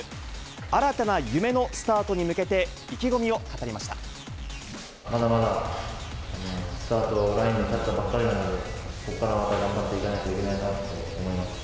新たな夢のスタートに向けて、まだまだスタートラインに立ったばっかりなので、ここからまた頑張っていかなきゃいけないなと思います。